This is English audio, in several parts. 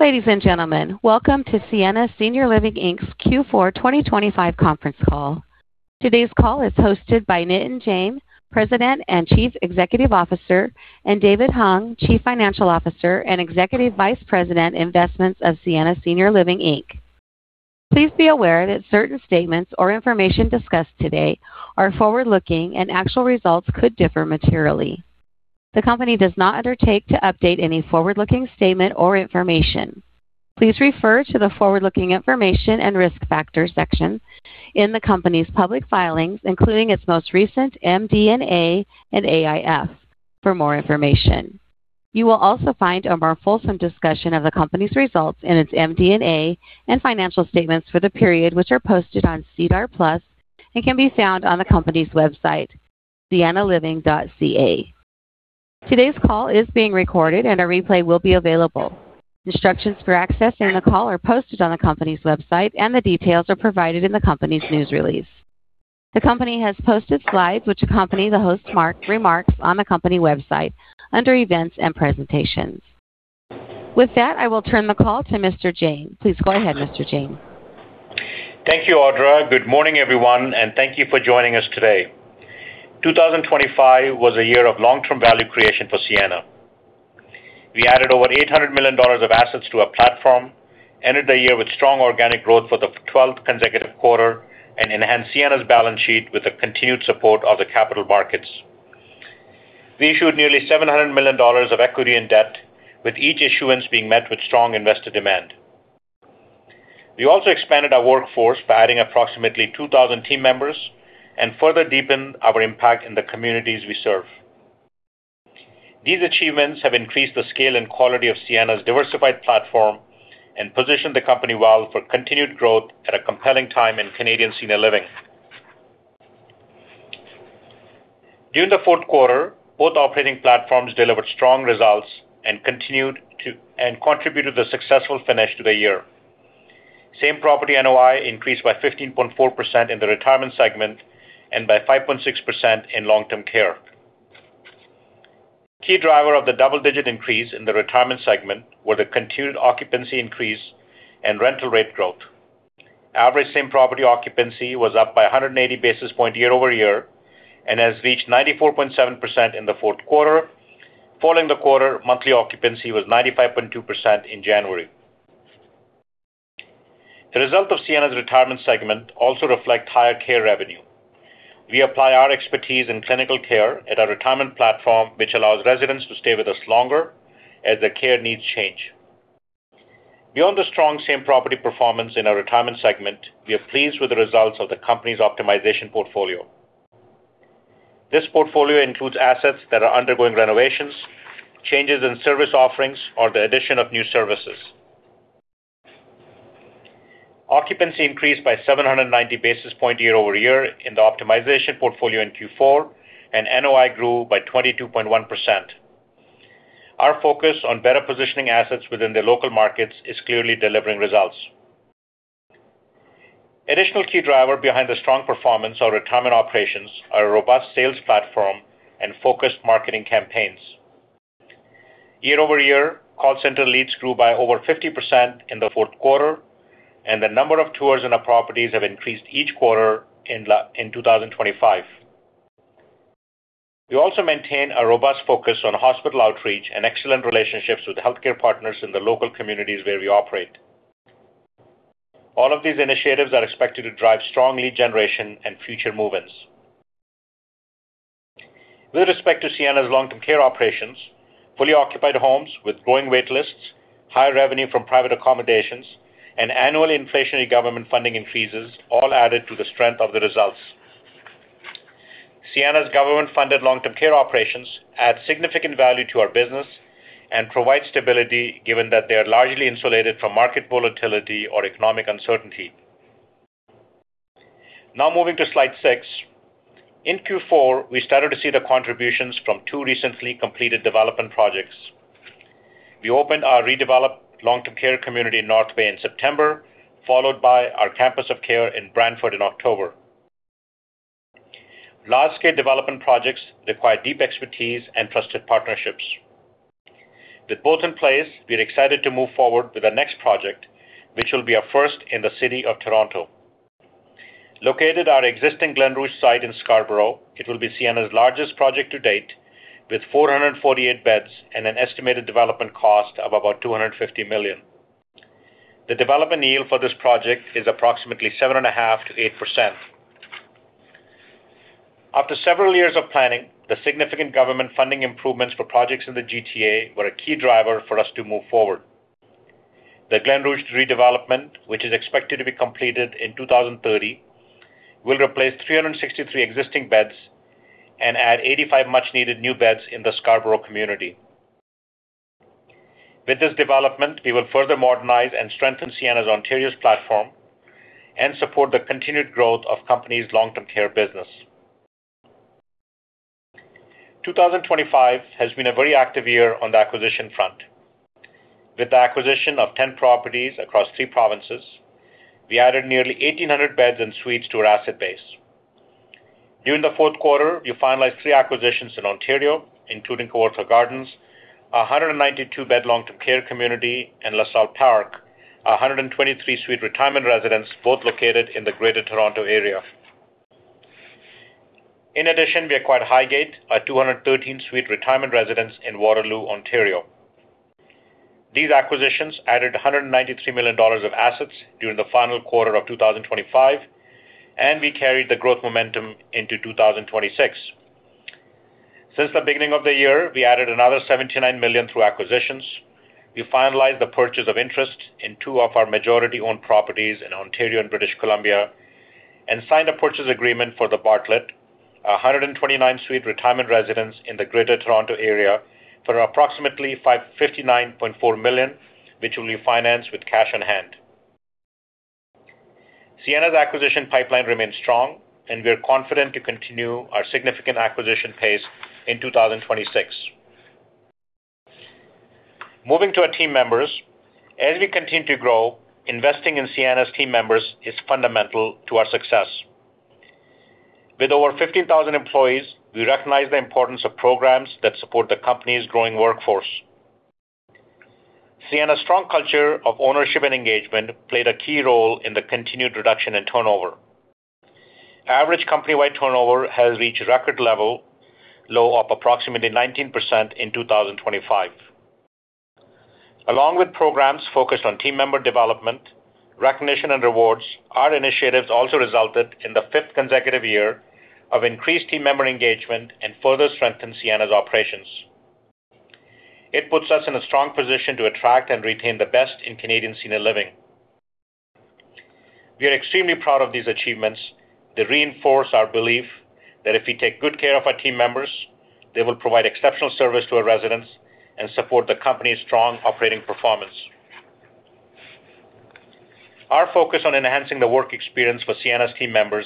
Ladies and gentlemen, welcome to Sienna Senior Living Inc.'s Fourth Quarter 2025 Conference Call. Today's call is hosted by Nitin Jain, President and Chief Executive Officer, and David Hung, Chief Financial Officer and Executive Vice President, Investments of Sienna Senior Living Inc. Please be aware that certain statements or information discussed today are forward-looking, and actual results could differ materially. The company does not undertake to update any forward-looking statement or information. Please refer to the forward-looking information and risk factors section in the company's public filings, including its most recent MD&A and AIF, for more information. You will also find a more fulsome discussion of the company's results in its MD&A and financial statements for the period, which are posted on SEDAR+ and can be found on the company's website, siennaliving.ca. Today's call is being recorded, and a replay will be available. Instructions for accessing the call are posted on the company's website, and the details are provided in the company's news release. The company has posted slides which accompany the host's remarks on the company website under Events and Presentations. With that, I will turn the call to Mr. Jain. Please go ahead, Mr. Jain. Thank you, Audra. Good morning, everyone, and thank you for joining us today. 2025 was a year of long-term value creation for Sienna. We added over 800 million dollars of assets to our platform, ended the year with strong organic growth for the 12th consecutive quarter, and enhanced Sienna's balance sheet with the continued support of the capital markets. We issued nearly 700 million dollars of equity and debt, with each issuance being met with strong investor demand. We also expanded our workforce by adding approximately 2,000 team members and further deepened our impact in the communities we serve. These achievements have increased the scale and quality of Sienna's diversified platform and positioned the company well for continued growth at a compelling time in Canadian senior living. During the fourth quarter, both operating platforms delivered strong results and continued and contributed a successful finish to the year. Same-property NOI increased by 15.4% in the retirement segment and by 5.6% in long-term care. Key driver of the double-digit increase in the retirement segment were the continued occupancy increase and rental rate growth. Average same-property occupancy was up by 180 basis points year-over-year and has reached 94.7% in the fourth quarter. Following the quarter, monthly occupancy was 95.2% in January. The result of Sienna's retirement segment also reflect higher care revenue. We apply our expertise in clinical care at our retirement platform, which allows residents to stay with us longer as their care needs change. Beyond the strong same-property performance in our retirement segment, we are pleased with the results of the company's optimization portfolio. This portfolio includes assets that are undergoing renovations, changes in service offerings, or the addition of new services. Occupancy increased by 790 basis points year-over-year in the optimization portfolio in fourth quarter, and NOI grew by 22.1%. Our focus on better positioning assets within their local markets is clearly delivering results. Additional key driver behind the strong performance of our retirement operations are a robust sales platform and focused marketing campaigns. Year-over-year, call center leads grew by over 50% in the fourth quarter, and the number of tours in our properties have increased each quarter in 2025. We also maintain a robust focus on hospital outreach and excellent relationships with healthcare partners in the local communities where we operate. All of these initiatives are expected to drive strong lead generation and future move-ins. With respect to Sienna's long-term care operations, fully occupied homes with growing waitlists, higher revenue from private accommodations, and annual inflationary government funding increases all added to the strength of the results. Sienna's government-funded long-term care operations add significant value to our business and provide stability, given that they are largely insulated from market volatility or economic uncertainty. Now moving to slide six. In Q4, we started to see the contributions from two recently completed development projects. We opened our redeveloped long-term care community in North Bay in September, followed by our campus of care in Brantford in October. Large-scale development projects require deep expertise and trusted partnerships. With both in place, we're excited to move forward with our next project, which will be our first in the city of Toronto. Located at our existing Glen Rouge site in Scarborough, it will be Sienna's largest project to date, with 448 beds and an estimated development cost of about 250 million. The development yield for this project is approximately 7.5%-8%. After several years of planning, the significant government funding improvements for projects in the GTA were a key driver for us to move forward. The Glen Rouge redevelopment, which is expected to be completed in 2030, will replace 363 existing beds and add 85 much-needed new beds in the Scarborough community. With this development, we will further modernize and strengthen Sienna's Ontario platform and support the continued growth of the company's long-term care business. 2025 has been a very active year on the acquisition front. With the acquisition of 10 properties across three provinces, we added nearly 1,800 beds and suites to our asset base. During the fourth quarter, we finalized three acquisitions in Ontario, including Kawartha Gardens, a 192-bed long-term care community in LaSalle Park, a 123-suite retirement residence, both located in the Greater Toronto Area. In addition, we acquired Highgate, a 213-suite retirement residence in Waterloo, Ontario. These acquisitions added 193 million dollars of assets during the final quarter of 2025, and we carried the growth momentum into 2026. Since the beginning of the year, we added another 79 million through acquisitions. We finalized the purchase of interest in two of our majority-owned properties in Ontario and British Columbia, and signed a purchase agreement for The Bartlett, a 129-suite retirement residence in the Greater Toronto Area, for approximately 59.4 million, which will be financed with cash on hand. Sienna's acquisition pipeline remains strong, and we are confident to continue our significant acquisition pace in 2026. Moving to our team members. As we continue to grow, investing in Sienna's team members is fundamental to our success. With over 15,000 employees, we recognize the importance of programs that support the company's growing workforce. Sienna's strong culture of ownership and engagement played a key role in the continued reduction in turnover. Average company-wide turnover has reached record level, low of approximately 19% in 2025. Along with programs focused on team member development, recognition, and rewards, our initiatives also resulted in the fifth consecutive year of increased team member engagement and further strengthened Sienna's operations. It puts us in a strong position to attract and retain the best in Canadian senior living. We are extremely proud of these achievements. They reinforce our belief that if we take good care of our team members, they will provide exceptional service to our residents and support the company's strong operating performance. Our focus on enhancing the work experience for Sienna's team members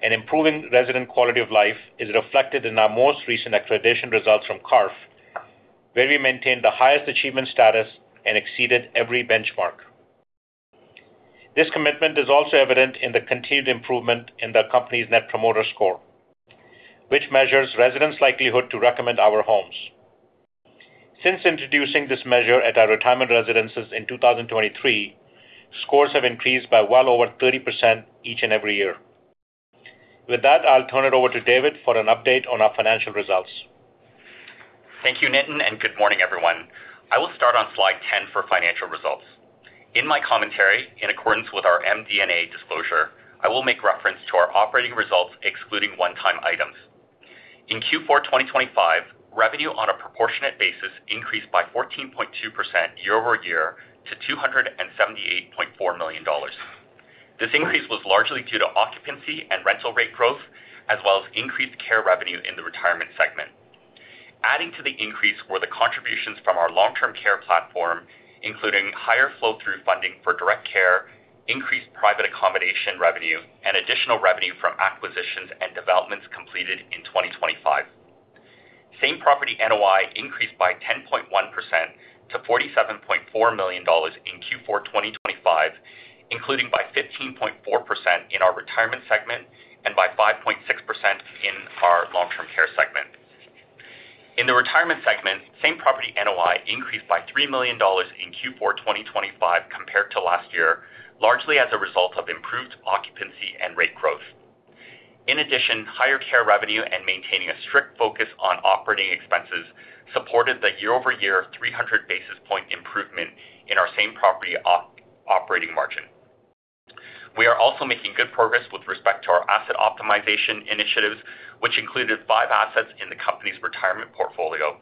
and improving resident quality of life is reflected in our most recent accreditation results from CARF, where we maintained the highest achievement status and exceeded every benchmark. This commitment is also evident in the continued improvement in the company's Net Promoter Score, which measures residents' likelihood to recommend our homes. Since introducing this measure at our retirement residences in 2023, scores have increased by well over 30% each and every year. With that, I'll turn it over to David for an update on our financial results. Thank you, Nitin, and good morning, everyone. I will start on slide 10 for financial results. In my commentary, in accordance with our MD&A disclosure, I will make reference to our operating results excluding one-time items. In Q4 2025, revenue on a proportionate basis increased by 14.2% year-over-year to 278.4 million dollars. This increase was largely due to occupancy and rental rate growth, as well as increased care revenue in the retirement segment. Adding to the increase were the contributions from our long-term care platform, including higher flow-through funding for direct care, increased private accommodation revenue, and additional revenue from acquisitions and developments completed in 2025. Same property NOI increased by 10.1% to 47.4 million dollars in Q4 2025, including by 15.4% in our retirement segment and by 5.6% in our long-term care segment. In the retirement segment, same property NOI increased by 3 million dollars in Q4 2025, compared to last year, largely as a result of improved occupancy and rate growth. In addition, higher care revenue and maintaining a strict focus on operating expenses supported the year-over-year 300 basis point improvement in our same property operating margin. We are also making good progress with respect to our asset optimization initiatives, which included five assets in the company's retirement portfolio.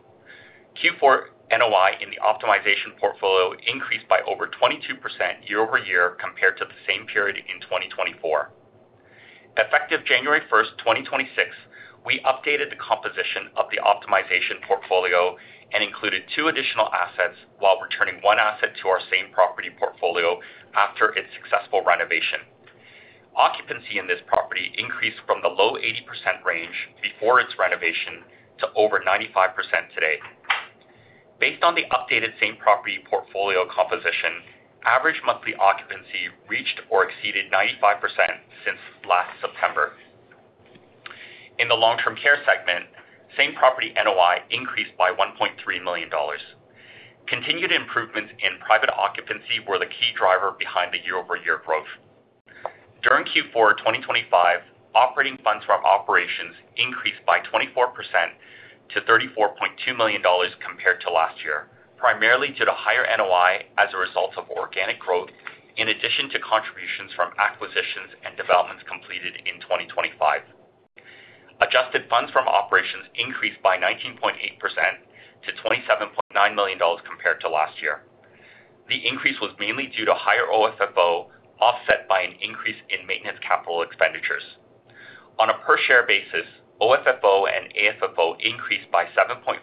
Q4 NOI in the optimization portfolio increased by over 22% year over year compared to the same period in 2024. Effective January 1, 2026, we updated the composition of the optimization portfolio and included two additional assets while returning one asset to our same property portfolio after its successful renovation. Occupancy in this property increased from the low 80% range before its renovation to over 95% today. Based on the updated same property portfolio composition, average monthly occupancy reached or exceeded 95% since last September. In the long-term care segment, same property NOI increased by 1.3 million dollars. Continued improvements in private occupancy were the key driver behind the year-over-year growth. During Q4 2025, operating funds from operations increased by 24% to 34.2 million dollars compared to last year, primarily due to higher NOI as a result of organic growth, in addition to contributions from acquisitions and developments completed in 2025. Adjusted funds from operations increased by 19.8% to 27.9 million dollars compared to last year. The increase was mainly due to higher OFFO, offset by an increase in maintenance capital expenditures. On a per-share basis, OFFO and AFFO increased by 7.5%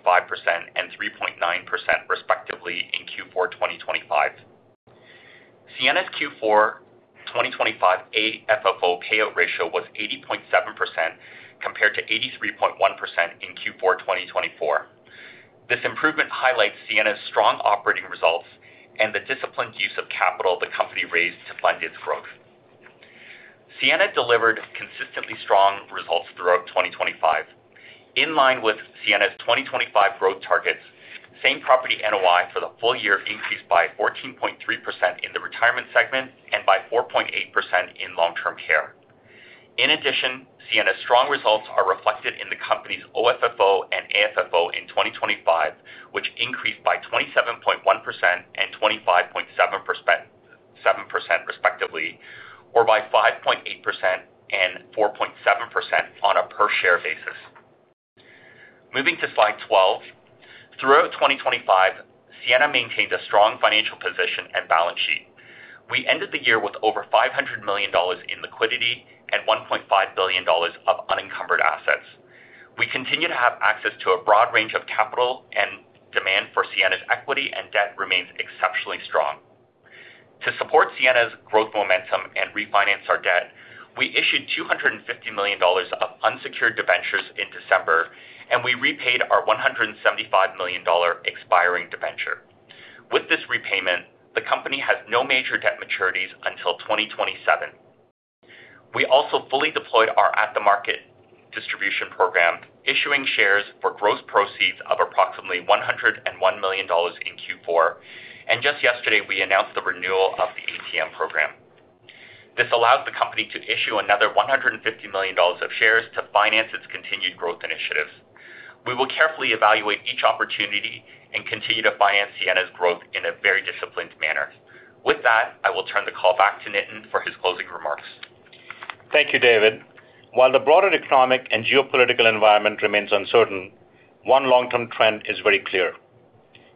and 3.9%, respectively, in Q4 2025. Sienna's Q4 2025 AFFO payout ratio was 80.7%, compared to 83.1 in Q4 2024. This improvement highlights Sienna's strong operating results and the disciplined use of capital the company raised to fund its growth. Sienna delivered consistently strong results throughout 2025. In line with Sienna's 2025 growth targets, same property NOI for the full year increased by 14.3% in the retirement segment and by 4.8% in long-term care. In addition, Sienna's strong results are reflected in the company's OFFO and AFFO in 2025, which increased by 27.1% and 25.7%, respectively, or by 5.8% and 4.7% on a per-share basis. Moving to slide 12. Throughout 2025, Sienna maintained a strong financial position and balance sheet. We ended the year with over 500 million dollars in liquidity and 1.5 billion dollars of unencumbered assets. We continue to have access to a broad range of capital, and demand for Sienna's equity and debt remains exceptionally strong. To support Sienna's growth momentum and refinance our debt, we issued 250 million dollars of unsecured debentures in December, and we repaid our 175 million dollar expiring debenture. With this repayment, the company has no major debt maturities until 2027. We also fully deployed our at-the-market distribution program, issuing shares for gross proceeds of approximately 101 million dollars in Q4, and just yesterday, we announced the renewal of the ATM program. This allows the company to issue another 150 million dollars of shares to finance its continued growth initiatives. We will carefully evaluate each opportunity and continue to finance Sienna's growth in a very disciplined manner. With that, I will turn the call back to Nitin for his closing remarks. Thank you, David. While the broader economic and geopolitical environment remains uncertain, one long-term trend is very clear.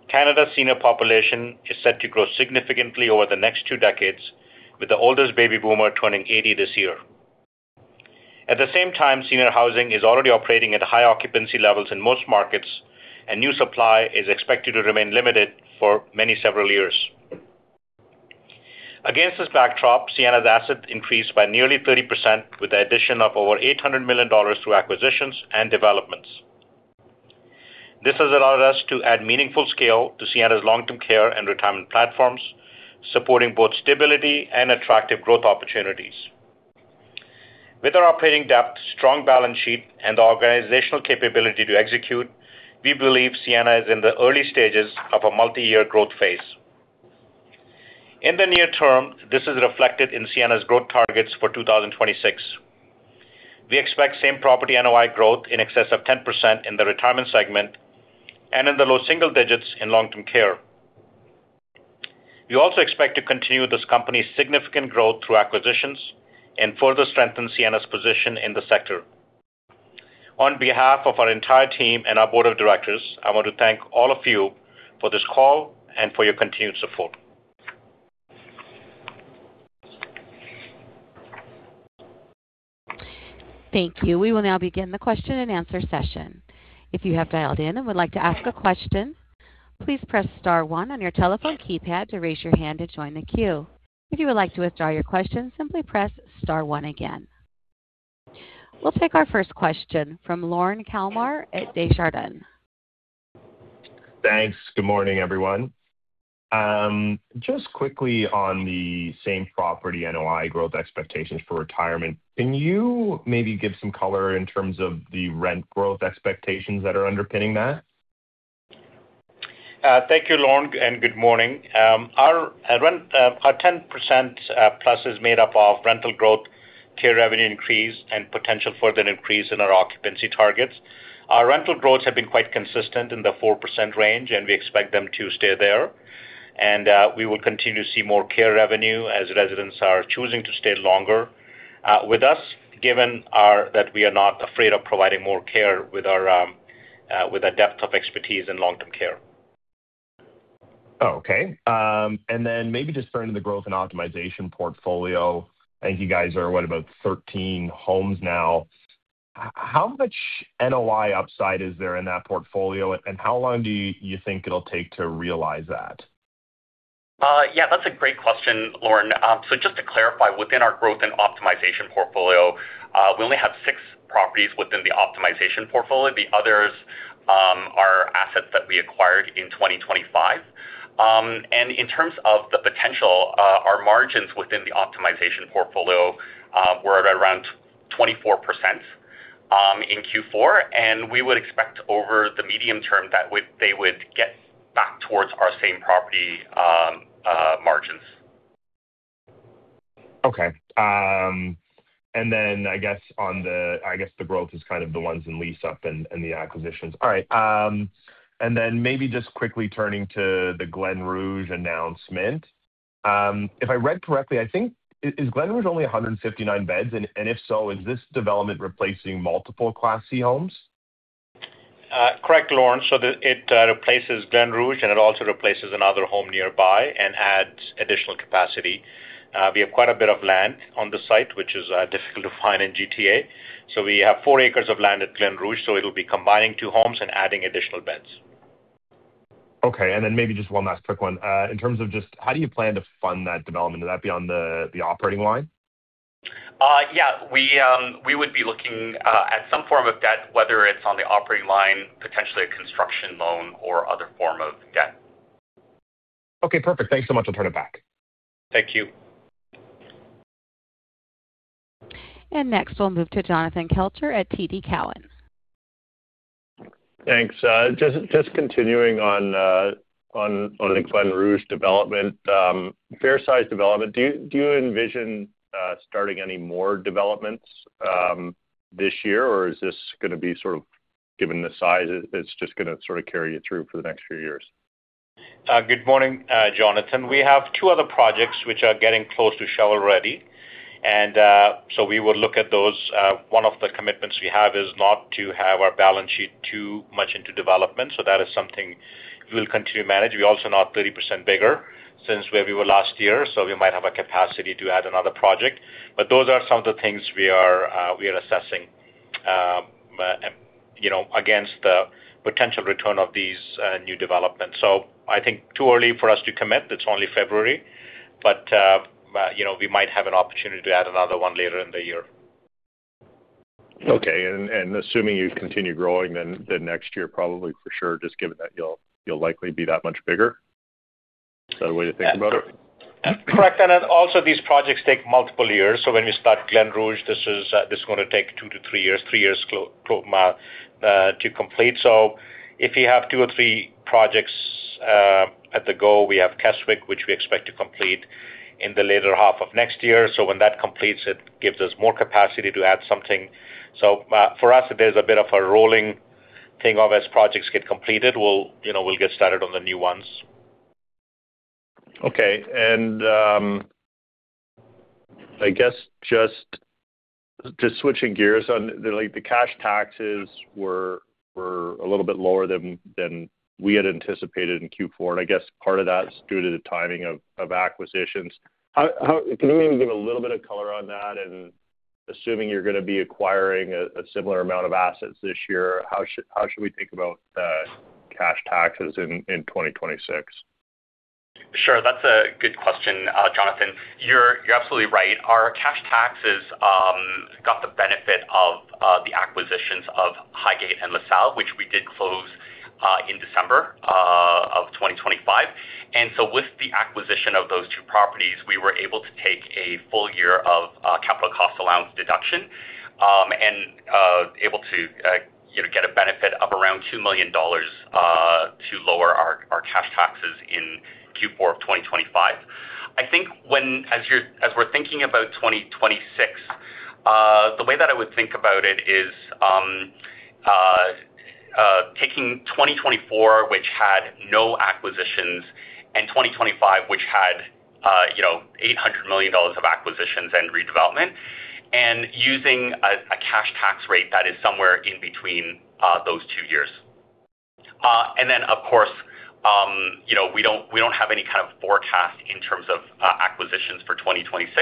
Canada's senior population is set to grow significantly over the next two decades, with the oldest baby boomer turning 80 this year. At the same time, senior housing is already operating at high occupancy levels in most markets, and new supply is expected to remain limited for many several years. Against this backdrop, Sienna's assets increased by nearly 30%, with the addition of over 800 million dollars through acquisitions and developments. This has allowed us to add meaningful scale to Sienna's long-term care and retirement platforms, supporting both stability and attractive growth opportunities. With our operating depth, strong balance sheet, and organizational capability to execute, we believe Sienna is in the early stages of a multiyear growth phase. In the near term, this is reflected in Sienna's growth targets for 2026. We expect same property NOI growth in excess of 10% in the retirement segment and in the low single digits in long-term care. We also expect to continue this company's significant growth through acquisitions and further strengthen Sienna's position in the sector. On behalf of our entire team and our board of directors, I want to thank all of you for this call and for your continued support. Thank you. We will now begin the question and answer session. If you have dialed in and would like to ask a question, please press star one on your telephone keypad to raise your hand to join the queue. If you would like to withdraw your question, simply press star one again. We'll take our first question from Lorne Kalmar at Desjardins. Thanks. Good morning, everyone. Just quickly on the same property NOI growth expectations for retirement, can you maybe give some color in terms of the rent growth expectations that are underpinning that? Thank you, Lorne, and good morning. Our rent, our 10% plus is made up of rental growth, care revenue increase, and potential further increase in our occupancy targets. Our rental growths have been quite consistent in the 4% range, and we expect them to stay there. We will continue to see more care revenue as residents are choosing to stay longer with us, given that we are not afraid of providing more care with our depth of expertise in long-term care. Okay. And then maybe just turning to the growth and optimization portfolio. I think you guys are, what, about 13 homes now. How much NOI upside is there in that portfolio, and how long do you think it'll take to realize that? Yeah, that's a great question, Lorne. So just to clarify, within our growth and optimization portfolio, we only have 6 properties within the optimization portfolio. The others are assets that we acquired in 2025. And in terms of the potential, our margins within the optimization portfolio were at around 24% in Q4, and we would expect over the medium term that would—they would get back towards our same property margins. Okay. And then I guess the growth is kind of the ones in lease-up and the acquisitions. All right, and then maybe just quickly turning to the Glen Rouge announcement. If I read correctly, I think, is Glen Rouge only 159 beds? And if so, is this development replacing multiple Class C homes? Correct, Lorne. So it replaces Glen Rouge, and it also replaces another home nearby and adds additional capacity. We have quite a bit of land on the site, which is difficult to find in GTA. So we have four acres of land at Glen Rouge, so it'll be combining two homes and adding additional beds. Okay, and then maybe just one last quick one. In terms of just how do you plan to fund that development? Will that be on the operating line? Yeah, we would be looking at some form of debt, whether it's on the operating line, potentially a construction loan, or other form of debt. Okay, perfect. Thanks so much. I'll turn it back. Thank you. Next, we'll move to Jonathan Kelcher at TD Cowen. Thanks. Just continuing on the Glen Rouge development, fair size development. Do you envision starting any more developments this year, or is this gonna be sort of, given the size, it's just gonna sort of carry you through for the next few years? Good morning, Jonathan. We have two other projects which are getting close to shell already, and so we will look at those. One of the commitments we have is not to have our balance sheet too much into development, so that is something we'll continue to manage. We're also now 30% bigger since where we were last year, so we might have a capacity to add another project. But those are some of the things we are assessing, you know, against the potential return of these new developments. So I think too early for us to commit. It's only February, but you know, we might have an opportunity to add another one later in the year. Okay. And assuming you continue growing, then next year, probably for sure, just given that you'll likely be that much bigger. Is that a way to think about it? Correct. And then also, these projects take multiple years. So when we start Glen Rouge, this is, this is going to take two to three years, three years to complete. So if you have two or three projects, at the go, we have Keswick, which we expect to complete in the latter half of next year. So when that completes, it gives us more capacity to add something. So, for us, there's a bit of a rolling thing of as projects get completed, we'll, you know, we'll get started on the new ones. Okay. And I guess just switching gears on the, like, the cash taxes were a little bit lower than we had anticipated in Q4, and I guess part of that is due to the timing of acquisitions. How can you maybe give a little bit of color on that? And assuming you're going to be acquiring a similar amount of assets this year, how should we think about cash taxes in 2026? Sure. That's a good question, Jonathan. You're, you're absolutely right. Our cash taxes got the benefit of the acquisitions of Highgate and LaSalle, which we did close in December of 2025. And so with the acquisition of those two properties, we were able to take a full year of capital cost allowance deduction, and able to, you know, get a benefit of around 2 million dollars to lower our, our cash taxes in Q4 of 2025. I think when as we're thinking about 2026, the way that I would think about it is, taking 2024, which had no acquisitions, and 2025, which had, you know, 800 million dollars of acquisitions and redevelopment, and using a cash tax rate that is somewhere in between those two years. And then, of course, you know, we don't have any kind of forecast in terms of acquisitions for 2026,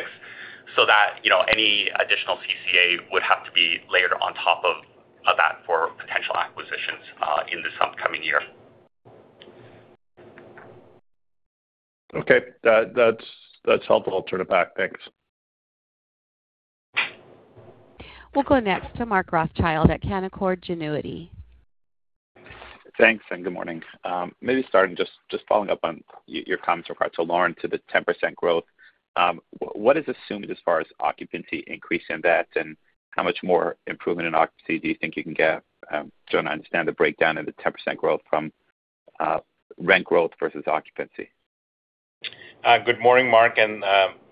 so that, you know, any additional CCA would have to be layered on top of that for potential acquisitions in this upcoming year. Okay. That's helpful. I'll turn it back. Thanks. We'll go next to Mark Rothschild at Canaccord Genuity. Thanks, and good morning. Maybe starting just following up on your comments regards to Lorne, to the 10% growth. What is assumed as far as occupancy increase in that, and how much more improvement in occupancy do you think you can get? So I understand the breakdown in the 10% growth from rent growth versus occupancy. Good morning, Mark, and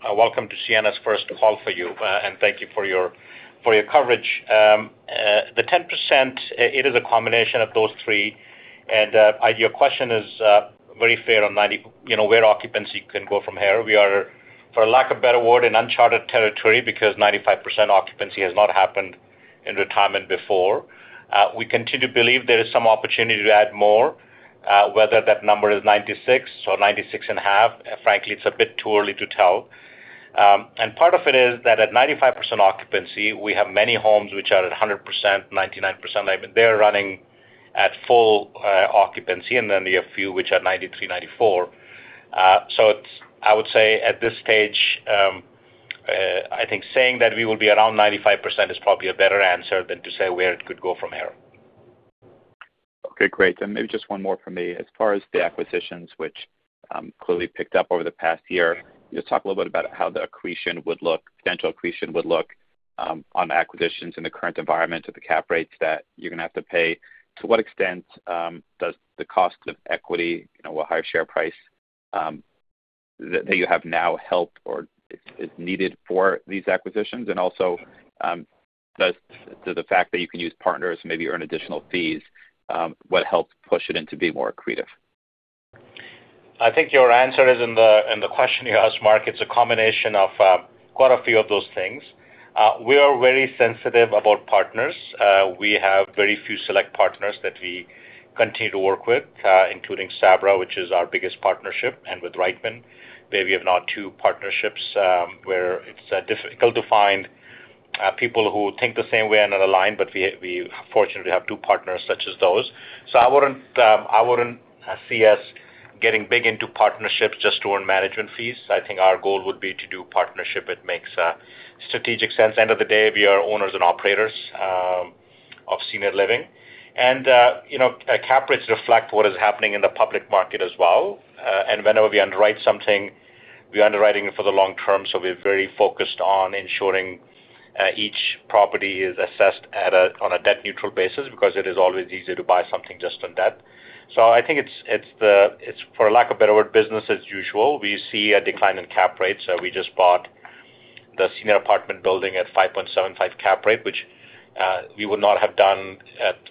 welcome to Sienna's first call for you, and thank you for your coverage. The 10%, it is a combination of those three, and your question is very fair on ninety-- you know, where occupancy can go from here. We are, for lack of a better word, in uncharted territory because 95% occupancy has not happened in retirement before. We continue to believe there is some opportunity to add more, whether that number is 96 or 96.5. Frankly, it's a bit too early to tell. And part of it is that at 95% occupancy, we have many homes which are at 100%, 99%. They're running at full occupancy, and then we have a few which are 93, 94. So, I would say at this stage, I think saying that we will be around 95% is probably a better answer than to say where it could go from here. Okay, great. Then maybe just one more for me. As far as the acquisitions, which clearly picked up over the past year, just talk a little bit about how the accretion would look, potential accretion would look, on acquisitions in the current environment at the cap rates that you're gonna have to pay. To what extent does the cost of equity, you know, a higher share price, that you have now helped or is needed for these acquisitions? And also, does the fact that you can use partners maybe earn additional fees would help push it into being more accretive? I think your answer is in the, in the question you asked, Mark. It's a combination of quite a few of those things. We are very sensitive about partners. We have very few select partners that we continue to work with, including Sabra, which is our biggest partnership, and with Reichmann, where we have now two partnerships, where it's difficult to find people who think the same way are not aligned, but we fortunately have two partners such as those. So I wouldn't see us getting big into partnerships just to earn management fees. I think our goal would be to do partnership. It makes strategic sense. End of the day, we are owners and operators of senior living. And you know, cap rates reflect what is happening in the public market as well. And whenever we underwrite something, we're underwriting it for the long term, so we're very focused on ensuring, each property is assessed at a, on a debt-neutral basis, because it is always easier to buy something just on debt. So I think it's, it's, for lack of a better word, business as usual. We see a decline in cap rates. So we just bought the senior apartment building at 5.75 cap rate, which, we would not have done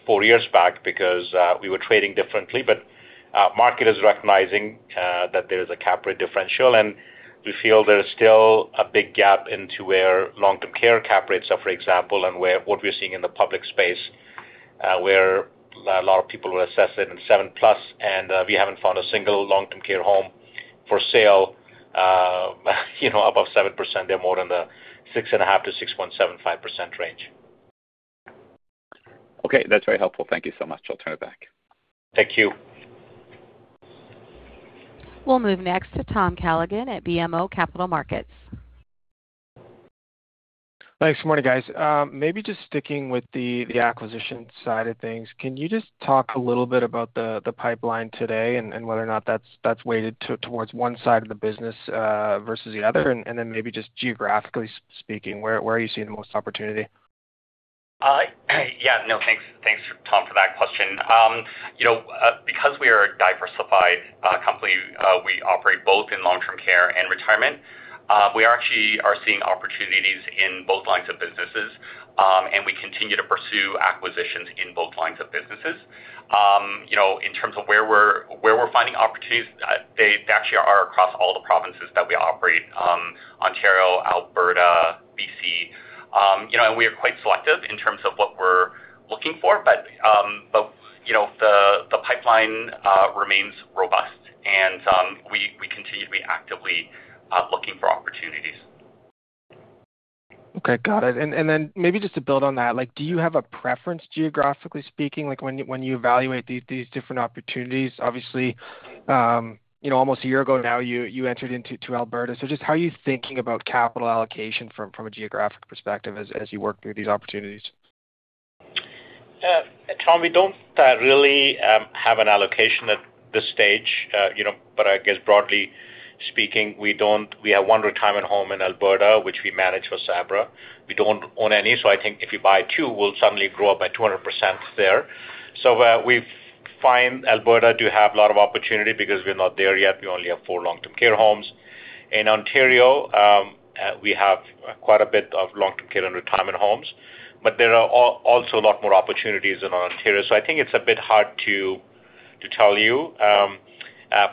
four years back because, we were trading differently. But, market is recognizing, that there is a cap rate differential, and we feel there is still a big gap into where long-term care cap rates are, for example, and where what we're seeing in the public space, where a lot of people will assess it in +7%, and, we haven't found a single long-term care home for sale, you know, above 7%. They're more in the 6.5%-6.75% range. Okay, that's very helpful. Thank you so much. I'll turn it back. Thank you. We'll move next to Tom Callaghan at BMO Capital Markets. Thanks. Good morning, guys. Maybe just sticking with the acquisition side of things, can you just talk a little bit about the pipeline today and whether or not that's weighted towards one side of the business versus the other? And then maybe just geographically speaking, where are you seeing the most opportunity? Yeah. No, thanks, Tom, for that question. You know, because we are a diversified company, we operate both in long-term care and retirement, we actually are seeing opportunities in both lines of businesses, and we continue to pursue acquisitions in both lines of businesses. You know, in terms of where we're finding opportunities, they actually are across all the provinces that we operate, Ontario, Alberta, BC. You know, and we are quite selective in terms of what we're looking for, but, you know, the pipeline remains robust, and we continue to be actively looking for opportunities. Okay, got it. And then maybe just to build on that, like, do you have a preference, geographically speaking, like, when you evaluate these different opportunities? Obviously, you know, almost a year ago now, you entered into Alberta. So just how are you thinking about capital allocation from a geographic perspective as you work through these opportunities? Tom, we don't really have an allocation at this stage, you know, but I guess broadly speaking, we don't. We have one retirement home in Alberta, which we manage for Sabra. We don't own any, so I think if you buy two, we'll suddenly grow up by 200% there. So, we find Alberta do have a lot of opportunity because we're not there yet. We only have four long-term care homes. In Ontario, we have quite a bit of long-term care and retirement homes, but there are also a lot more opportunities in Ontario. So I think it's a bit hard to tell you.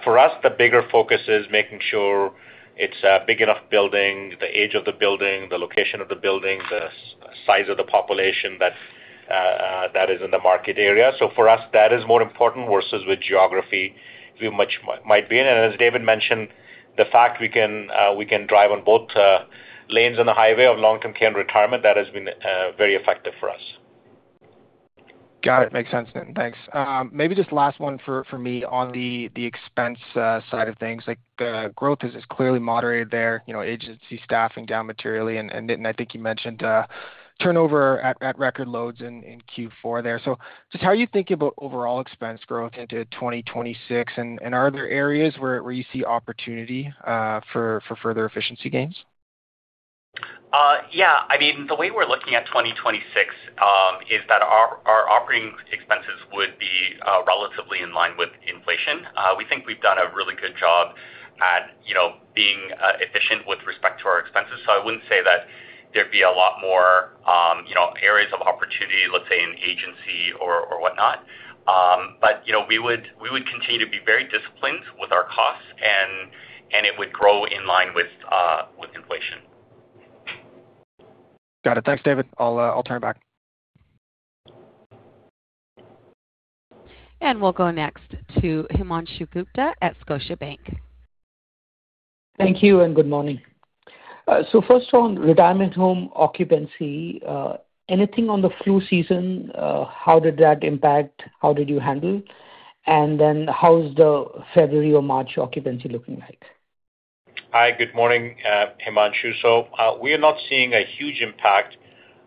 For us, the bigger focus is making sure it's a big enough building, the age of the building, the location of the building, the size of the population that is in the market area. So for us, that is more important versus with geography we might be in. And as David mentioned, the fact we can drive on both lanes on the highway of long-term care and retirement, that has been very effective for us. Got it. Makes sense. Thanks. Maybe just last one for me on the expense side of things. Like, the growth is clearly moderated there, you know, agency staffing down materially, and I think you mentioned turnover at record lows in Q4 there. So just how are you thinking about overall expense growth into 2026, and are there areas where you see opportunity for further efficiency gains? Yeah, I mean, the way we're looking at 2026 is that our, our operating expenses would be relatively in line with inflation. We think we've done a really good job at, you know, being efficient with respect to our expenses. So I wouldn't say that there'd be a lot more, you know, areas of opportunity, let's say, in agency or, or whatnot. But, you know, we would, we would continue to be very disciplined with our costs, and, and it would grow in line with, with inflation. Got it. Thanks, David. I'll, I'll turn it back. We'll go next to Himanshu Gupta at Scotiabank. Thank you, and good morning. So first on retirement home occupancy, anything on the flu season, how did that impact, how did you handle? And then how is the February or March occupancy looking like? Hi, good morning, Himanshu. So, we are not seeing a huge impact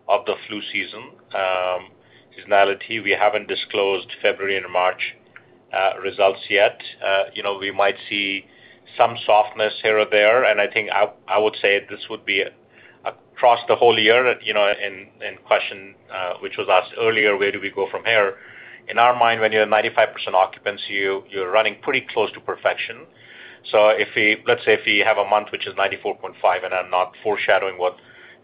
of the flu season, seasonality. We haven't disclosed February and March, results yet. You know, we might see some softness here or there, and I think I would say this would be across the whole year, you know, in question, which was asked earlier, where do we go from here? In our mind, when you're at 95% occupancy, you're running pretty close to perfection. So if we have a month, which is 94.5, and I'm not foreshadowing what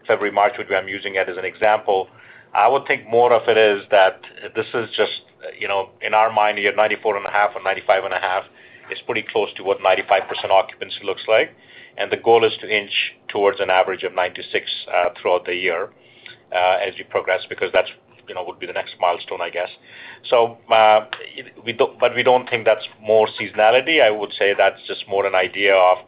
February, March would be, I'm using it as an example, I would think more of it is that this is just, you know, in our mind, you're at 94.5 or 95.5, it's pretty close to what 95% occupancy looks like. And the goal is to inch towards an average of 96 throughout the year as you progress, because that's, you know, would be the next milestone, I guess. So, we don't, but we don't think that's more seasonality. I would say that's just more an idea of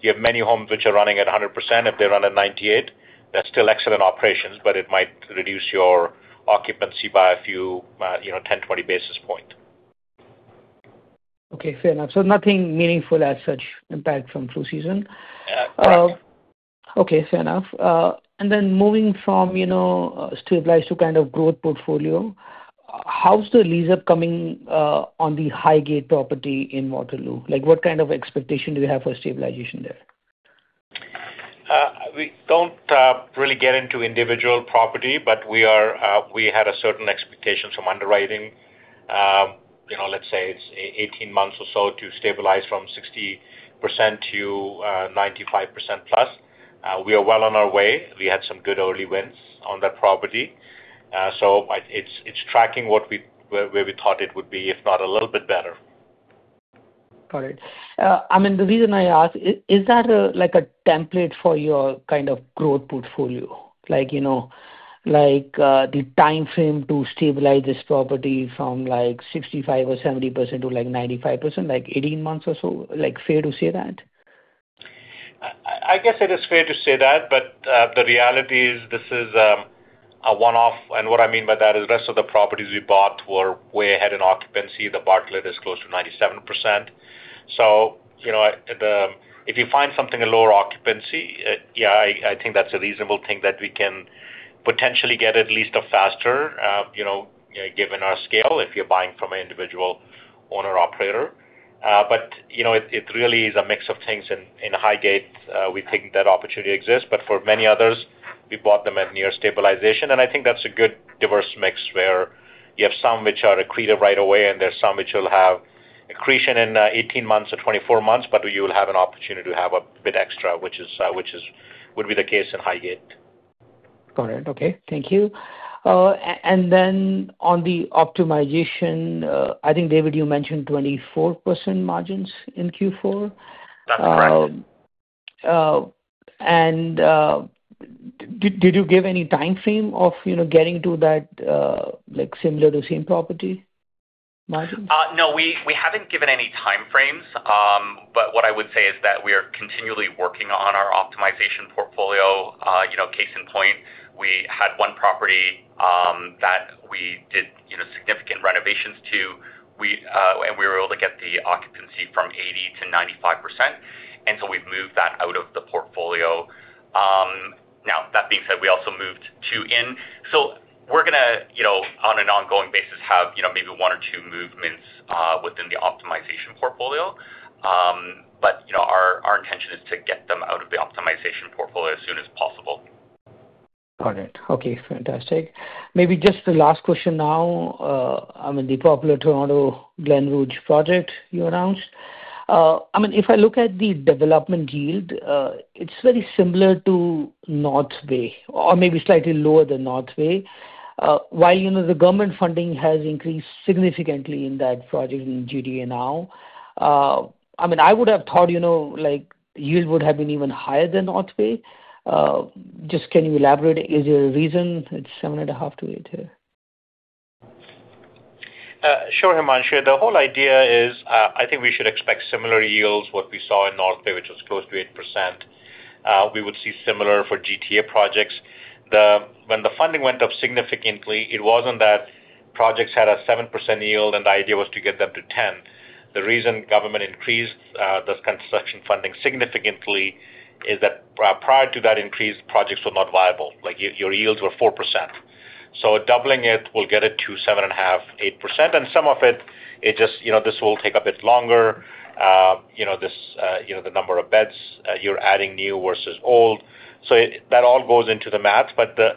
you have many homes which are running at 100%. If they run at 98, they're still excellent operations, but it might reduce your occupancy by a few, you know, 10, 20 basis point. Okay, fair enough. So nothing meaningful as such impact from flu season? Yeah, correct. Okay, fair enough. And then moving from, you know, stabilized to kind of growth portfolio, how's the leaseup coming on the Highgate property in Waterloo? Like, what kind of expectation do you have for stabilization there? We don't really get into individual property, but we had a certain expectation from underwriting. You know, let's say it's 18 months or so to stabilize from 60%-95% plus. We are well on our way. We had some good early wins on that property. So it's tracking where we thought it would be, if not a little bit better. Got it. I mean, the reason I ask, is that, like a template for your kind of growth portfolio? Like, you know, like, the timeframe to stabilize this property from, like, 65% or 70% to, like, 95%, like 18 months or so? Like, fair to say that? I guess it is fair to say that, but the reality is this is a one-off, and what I mean by that is rest of the properties we bought were way ahead in occupancy. The Bartlett is close to 97%. So, you know, if you find something in lower occupancy, yeah, I think that's a reasonable thing that we can potentially get at least a faster, you know, given our scale, if you're buying from an individual owner-operator. But, you know, it really is a mix of things. In Highgate, we think that opportunity exists, but for many others, we bought them at near stabilization, and I think that's a good diverse mix where you have some which are accretive right away, and there's some which will have accretion in 18 months or 24 months, but you will have an opportunity to have a bit extra, would be the case in Highgate. Got it. Okay, thank you. And then on the optimization, I think, David, you mentioned 24% margins in Q4. That's correct. Did you give any timeframe of, you know, getting to that, like, similar to same property margin? No, we haven't given any timeframes. But what I would say is that we are continually working on our optimization portfolio. You know, case in point, we had one property that we did, you know, significant renovations to. And we were able to get the occupancy from 80%-95%, and so we've moved that out of the portfolio. Now, that being said, we also moved two in. So we're gonna, you know, on an ongoing basis, have, you know, maybe one or two movements within the optimization portfolio. But, you know, our intention is to get them out of the optimization portfolio as soon as possible. Got it. Okay, fantastic. Maybe just the last question now, I mean, the popular Toronto Glen Rouge project you announced. I mean, if I look at the development yield, it's very similar to North Bay or maybe slightly lower than North Bay. While, you know, the government funding has increased significantly in that project in GTA now, I mean, I would have thought, you know, like, yield would have been even higher than North Bay. Just can you elaborate, is there a reason it's 7.5%-8% here? Sure, Himanshu. The whole idea is, I think we should expect similar yields, what we saw in North Bay, which was close to 8%. We would see similar for GTA projects. When the funding went up significantly, it wasn't that projects had a 7% yield, and the idea was to get them to 10%. The reason government increased this construction funding significantly is that prior to that increase, projects were not viable, like, your yields were 4%. So doubling it will get it to 7.5, 8%, and some of it, it just, you know, this will take a bit longer. You know, this, you know, the number of beds, you're adding new versus old. So that all goes into the math, but the,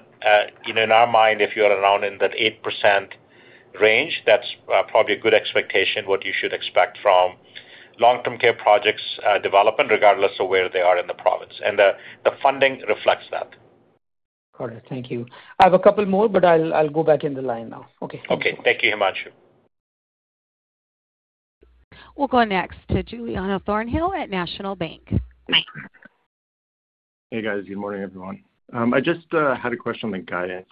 you know, in our mind, if you are around in that 8% range, that's probably a good expectation, what you should expect from long-term care projects, development, regardless of where they are in the province, and the, the funding reflects that. Got it. Thank you. I have a couple more, but I'll, I'll go back in the line now. Okay. Okay. Thank you, Himanshu. We'll go next to Giuliano Thornhill at National Bank. Hey, guys. Good morning, everyone. I just had a question on the guidance.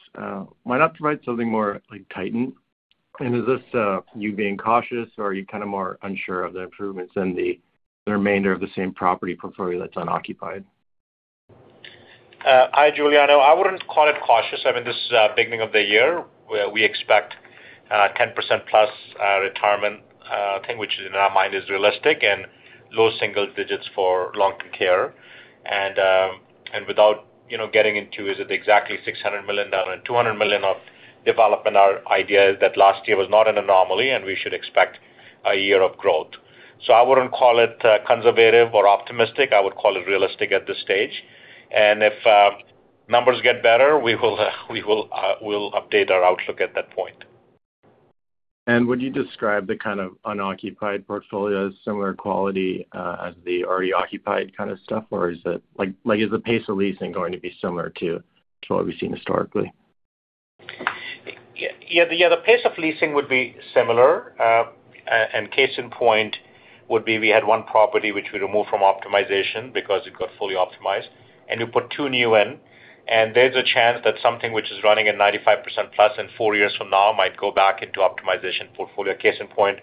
Why not provide something more, like, tightened? And is this you being cautious, or are you kind of more unsure of the improvements in the remainder of the same property portfolio that's unoccupied? Hi, Giuliano. I wouldn't call it cautious. I mean, this is beginning of the year, where we expect +10% retirement, I think, which in our mind is realistic, and low single digits for long-term care. And, and without, you know, getting into is it exactly 600 million and 200 million of development, our idea is that last year was not an anomaly, and we should expect a year of growth. So I wouldn't call it conservative or optimistic. I would call it realistic at this stage. If numbers get better, we will, we will, we'll update our outlook at that point. Would you describe the kind of unoccupied portfolio as similar quality as the already occupied kind of stuff like, is the pace of leasing going to be similar to what we've seen historically? Yeah, yeah, the pace of leasing would be similar, and case in point would be we had one property which we removed from optimization because it got fully optimized, and we put two new in. And there's a chance that something which is running at 95% plus in four years from now might go back into optimization portfolio. Case in point,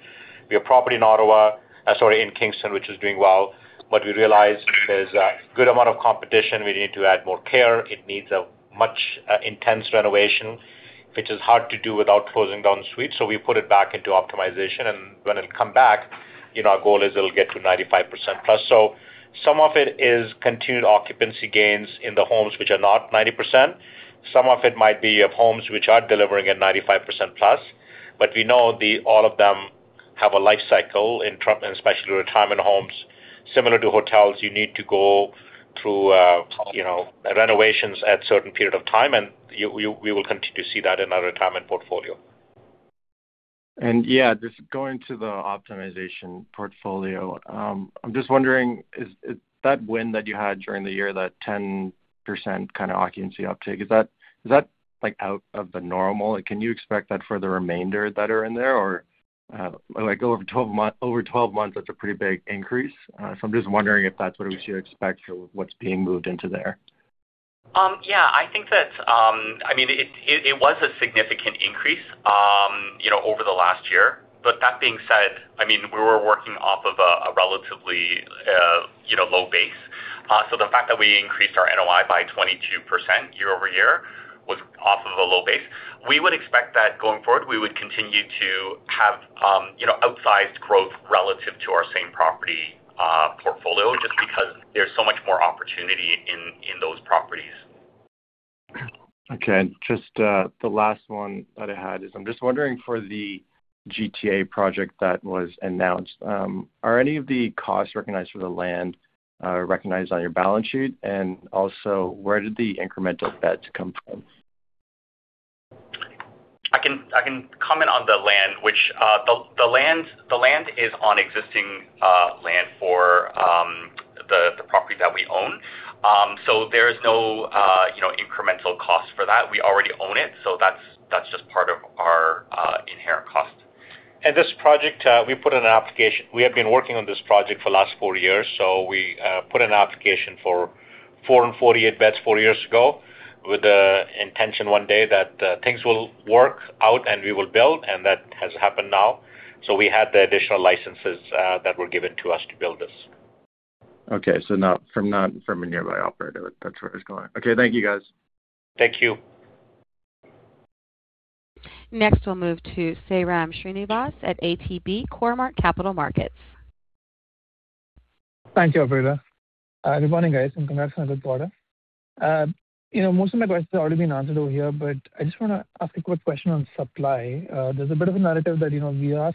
we have property in Ottawa, sorry, in Kingston, which is doing well, but we realized there's a good amount of competition. We need to add more care. It needs a much intense renovation, which is hard to do without closing down the suite. So we put it back into optimization, and when it come back, you know, our goal is it'll get to 95% plus. So some of it is continued occupancy gains in the homes, which are not 90%. Some of it might be of homes which are delivering at 95% plus, but we know, all of them have a life cycle in terms, especially retirement homes. Similar to hotels, you need to go through you know, renovations at certain period of time, and we will continue to see that in our retirement portfolio. Yeah, just going to the optimization portfolio, I'm just wondering, is that win that you had during the year, that 10% kind of occupancy uptick, is that like out of the normal? Can you expect that for the remainder that are in there, or like over 12 months, that's a pretty big increase. So I'm just wondering if that's what we should expect or what's being moved into there. Yeah, I think that, I mean, it was a significant increase, you know, over the last year. But that being said, I mean, we were working off of a relatively, you know, low base. So the fact that we increased our NOI by 22% year-over-year was off of a low base. We would expect that going forward, we would continue to have, you know, outsized growth relative to our same property portfolio, just because there's so much more opportunity in those properties. Okay. Just, the last one that I had is: I'm just wondering for the GTA project that was announced, are any of the costs recognized for the land, recognized on your balance sheet? And also, where did the incremental beds come from? I can, I can comment on the land, which, the land is on existing land for the property that we own. So there is no, you know, incremental cost for that. We already own it, so that's, that's just part of our inherent cost. This project, we put in an application. We have been working on this project for the last four years, so we put an application for 448 beds four years ago with the intention one day that things will work out, and we will build, and that has happened now. We had the additional licenses that were given to us to build this. Okay. So not from, not from a nearby operator. That's where it's going. Okay. Thank you, guys. Thank you. Next, we'll move to Sairam Srinivas at ATB Capital Markets. Thank you, operator. Good morning, guys, and congrats on a good quarter. You know, most of my questions have already been answered over here, but I just want to ask a quick question on supply. There's a bit of a narrative that, you know, we are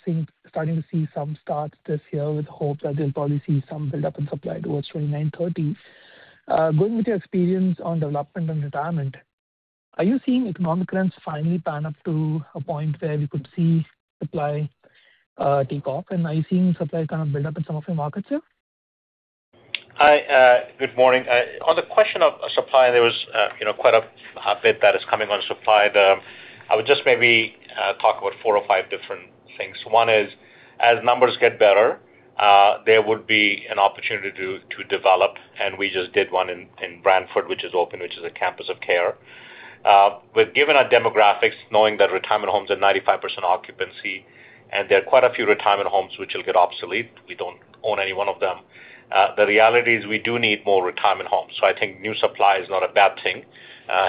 starting to see some starts this year with hope that they'll probably see some build-up in supply towards 2029, 2030. Going with your experience on development and retirement, are you seeing economic conditions finally pick up to a point where we could see supply take off? And are you seeing supply kind of build up in some of your markets there? Hi, good morning. On the question of supply, there was, you know, quite a bit that is coming on supply. I would just maybe talk about four or five different things. One is, as numbers get better, there would be an opportunity to develop, and we just did one in Brantford, which is open, which is a campus of care. But given our demographics, knowing that retirement homes are 95% occupancy, and there are quite a few retirement homes which will get obsolete, we don't own any one of them, the reality is we do need more retirement homes. So I think new supply is not a bad thing,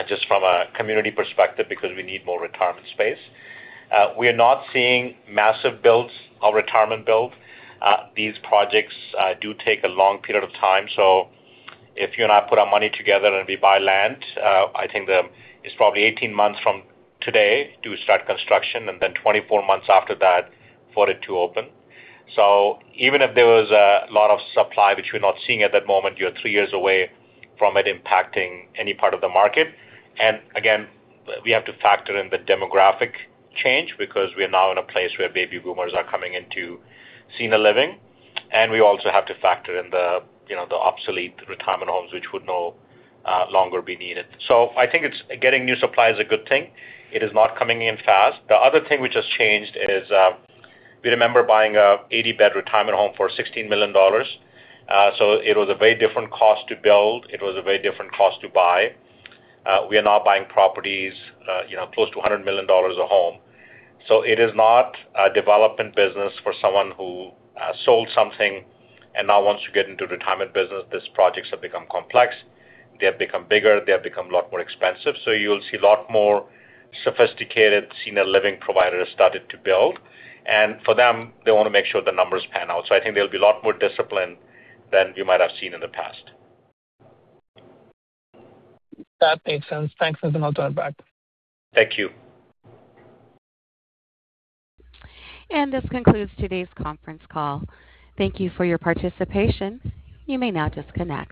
just from a community perspective, because we need more retirement space. We are not seeing massive builds or retirement build. These projects do take a long period of time, so if you and I put our money together and we buy land, I think it's probably 18 months from today to start construction and then 24 months after that for it to open. So even if there was a lot of supply, which we're not seeing at that moment, you're 3 years away from it impacting any part of the market. And again, we have to factor in the demographic change because we are now in a place where baby boomers are coming into senior living, and we also have to factor in the, you know, the obsolete retirement homes, which would no longer be needed. So I think getting new supply is a good thing. It is not coming in fast. The other thing which has changed is, we remember buying a 80-bed retirement home for 16 million dollars. So it was a very different cost to build. It was a very different cost to buy. We are now buying properties, you know, close to 100 million dollars a home. So it is not a development business for someone who sold something and now wants to get into retirement business. These projects have become complex. They have become bigger, they have become a lot more expensive. So you'll see a lot more sophisticated senior living providers started to build, and for them, they want to make sure the numbers pan out. So I think there'll be a lot more discipline than you might have seen in the past. That makes sense. Thanks, and I'll turn back. Thank you. This concludes today's conference call. Thank you for your participation. You may now disconnect.